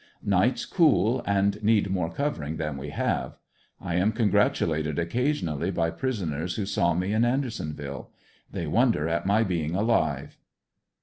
Nights cool and need more covering than we have. I am congratulated occasionally by prison ers who saw me in Andersonville. They wonder at my being alive.